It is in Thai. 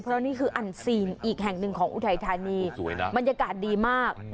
เพราะนี่คืออันซีนอีกแห่งหนึ่งของอุทัยธานีบรรยากาศดีมาก